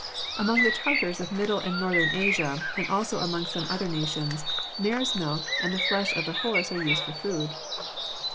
Among the Tartars of middle and northern Asia and also among some other nations, mare's milk and the flesh of the horse are used for food.